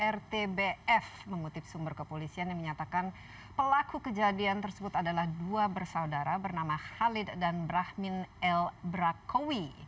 rtbf mengutip sumber kepolisian yang menyatakan pelaku kejadian tersebut adalah dua bersaudara bernama khalid dan brahmin el brakowi